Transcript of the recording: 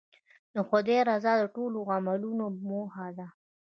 د خدای رضا د ټولو عملونو موخه ده.